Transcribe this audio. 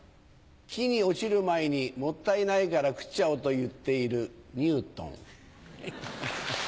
木に落ちる前にもったいないから食っちゃおうと言っているニュートン。